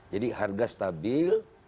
jadi harga stabil